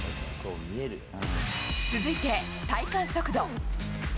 続いて、体感速度。